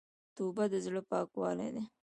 توبه د زړه پاکوالی ده.